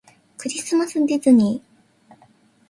クリスマスディズニー